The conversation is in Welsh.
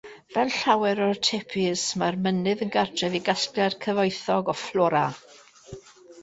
Fel llawer o tepuis, mae'r mynydd yn gartref i gasgliad cyfoethog o fflora.